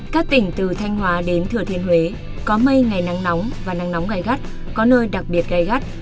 các tỉnh từ thanh hóa đến thừa thiên huế có mây ngày nắng nóng và nắng nóng gai gắt có nơi đặc biệt gai gắt